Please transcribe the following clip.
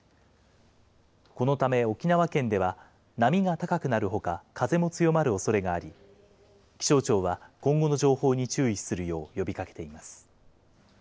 このため沖縄県では、波が高くなるほか、風も強まるおそれがあり、気象庁は今後の情報に注意するよう呼びかけています。